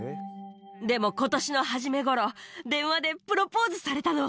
でも、ことしの初めごろ、電話でプロポーズされたの。